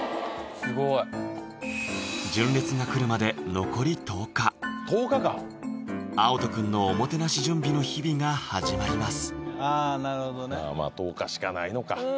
「純烈」が来るまで残り１０日あおと君のおもてなし準備の日々が始まります